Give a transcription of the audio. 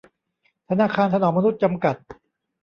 ธนาคารถนอมมนุษย์ จำกัด